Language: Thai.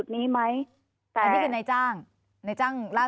เจ้าหน้าที่แรงงานของไต้หวันบอก